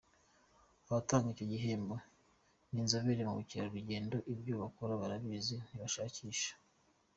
Abatanga icyo gihembo n’inzobere mu bukerarugendo, ibyo bakora barabizi ntibashakisha.